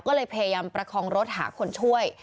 ก็เลยพยายามประคองรถหาคนช่วย